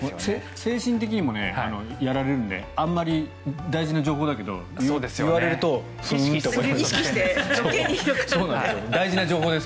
精神的にもやられるのであまり大事な情報だけど言われるとふーんって思います。